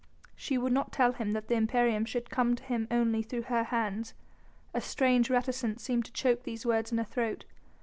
'" She would not tell him that the imperium should come to him only through her hands; a strange reticence seemed to choke these words in her throat.